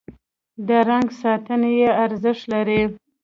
د رنګ ساتنه یې ارزښت لري.